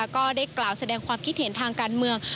ก็ได้กล่าวแสดงความคิดเห็นทางการเมือง